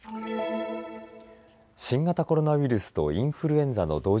新型コロナウイルスとインフルエンザの同時